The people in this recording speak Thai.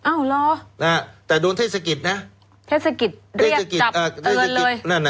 อ้าวเหรอแต่โดนเทศกิจนะเทศกิจเรียกจับเตือนเลย